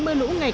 vô cùng đáng kể